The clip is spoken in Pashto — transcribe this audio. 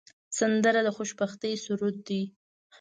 سندره د خوشبختۍ سرود دی